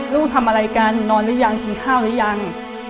ลูกทำอะไรกันนอนหรือยังกินข้าวหรือยัง